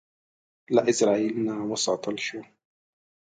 له ازرائیل نه وساتل شو.